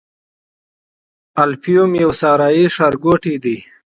الفیوم یو صحرايي ښارګوټی دی.